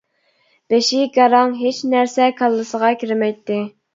بېشى گاراڭ ھېچ نەرسە كاللىسىغا كىرمەيتتى.